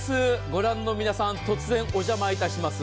ＴＢＳご覧の皆さん、突然お邪魔いたします。